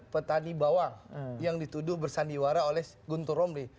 petani bawang yang dituduh bersandiwara oleh guntur romli